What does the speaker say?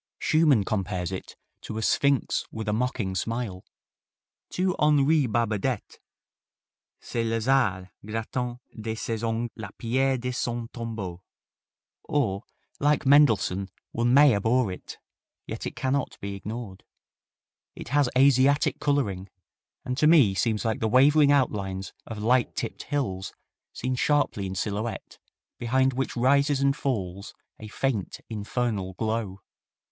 Schumann compares it to a "sphinx with a mocking smile." To Henri Barbadette "C'est Lazare grattant de ses ongles la pierre de son tombeau," or, like Mendelssohn, one may abhor it, yet it cannot be ignored. It has Asiatic coloring, and to me seems like the wavering outlines of light tipped hills seen sharply en silhouette, behind which rises and falls a faint, infernal glow.